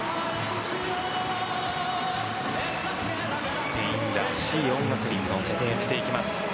スペインらしい音楽に乗せて演じていきます。